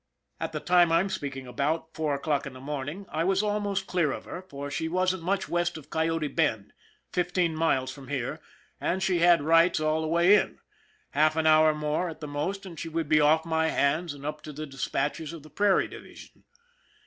At the time I'm speaking about, four o'clock in the morning, I was almost clear of her, for she wasn't much west of Coyote Bend, fifteen miles from here, and she had rights all the way in. Half an hour more at the most, and she would be off my hands and up to the dispatchers of the Prairie Division.